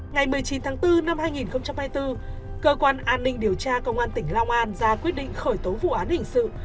ngày một mươi chín tháng bốn năm hai nghìn hai mươi bốn cơ quan an ninh điều tra công an tỉnh long an ra quyết định khởi tố vụ án hình sự